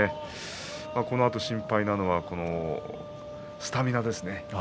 このあと心配なのはスタミナですね。